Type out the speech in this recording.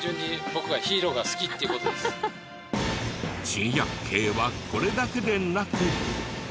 珍百景はこれだけでなく。